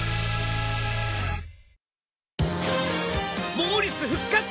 モーリス復活！